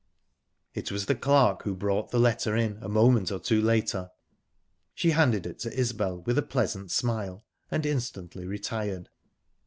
It was the clerk who brought the letter in, a moment or two later. She handed it to Isbel with a pleasant smile, and instantly retired.